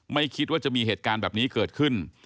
ไม่คิดว่าจะมีเหตุการณ์แบบนี้เกิดขึ้น